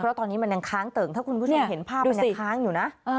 เพราะตอนนี้มันยังค้างเติ่งถ้าคุณผู้ชมเห็นภาพมันยังค้างอยู่นะ